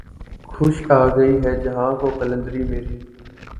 خوش آ گئی ہے جہاں کو قلندری میری